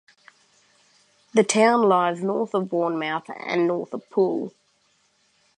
The town lies north of Bournemouth and north of Poole.